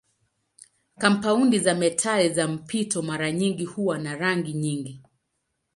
Kampaundi za metali za mpito mara nyingi huwa na rangi nyingi.